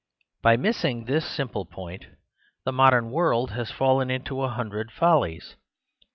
By missing this simple point, the modern world has fallen into a hundred fol lies.